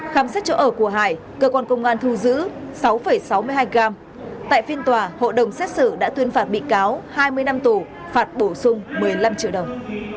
khám xét chỗ ở của hải cơ quan công an thu giữ sáu sáu mươi hai g tại phiên tòa hộ đồng xét xử đã tuyên phạt bị cáo hai mươi năm tù phạt bổ sung một mươi năm triệu đồng